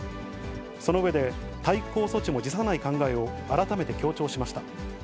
その上で、対抗措置も辞さない考えを改めて強調しました。